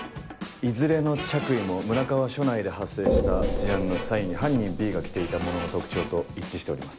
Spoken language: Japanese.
いずれの着衣も村川署内で発生した事案の際に犯人Ｂが着ていたものの特徴と一致しております。